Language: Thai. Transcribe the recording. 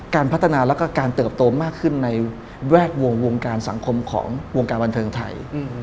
การพัฒนาแล้วก็การเติบโตมากขึ้นในแวดวงวงการสังคมของวงการบันเทิงไทย